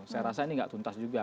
saya rasa ini gak tuntas juga